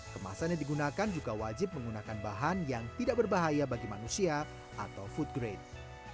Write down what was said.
kemasan yang digunakan juga wajib menggunakan bahan yang tidak berbahaya bagi manusia atau food grade